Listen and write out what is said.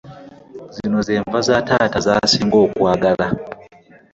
Zino ze nva za taata z'asinga okwagala.